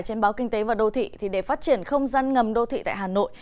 trên báo kinh tế và đô thị để phát triển không gian ngầm đô thị tại hà nội